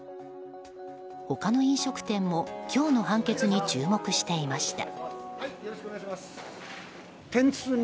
他の飲食店も今日の判決に注目していました。